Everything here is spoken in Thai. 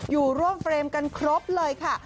อยู่ร่วมเฟรมกันครบเลยค่ะ